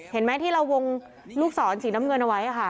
เห็นไหมที่เราวงลูกศรสีน้ำเงินเอาไว้ค่ะ